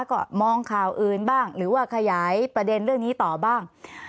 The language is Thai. ก็มองข่าวอื่นบ้างหรือว่าขยายประเด็นเรื่องนี้ต่อบ้าง